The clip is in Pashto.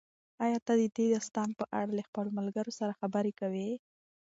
ایا ته د دې داستان په اړه له خپلو ملګرو سره خبرې کوې؟